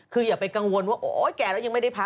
คืออย่าไปกังวลว่าโอ๊ยแก่แล้วยังไม่ได้พัก